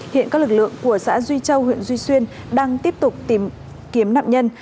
hiện các lực lượng của xã duy châu huyện duy xuyên đang tiếp tục tìm kiếm nạn nhân